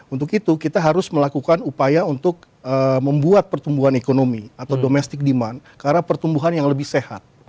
untuk itu kita harus melakukan upaya untuk membuat pertumbuhan ekonomi atau domestic demand karena pertumbuhan yang lebih sehat